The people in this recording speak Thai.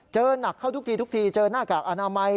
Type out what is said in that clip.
เจอนักเข้าทุกทีเจอหน้ากากอนามัย